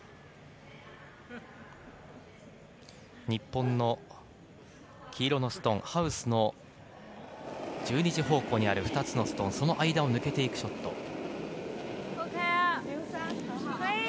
日本の黄色のストーン、ハウスの１２時方向にある２つのストーン、その間を抜けていくショット。